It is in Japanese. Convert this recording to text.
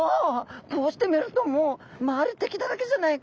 こうしてみるともう周り敵だらけじゃないか。